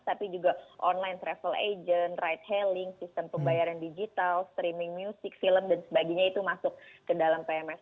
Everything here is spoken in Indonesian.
tapi juga online travel agent right healing sistem pembayaran digital streaming music film dan sebagainya itu masuk ke dalam pms